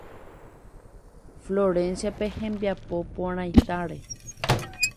Florenciape hembiapo porãitáre.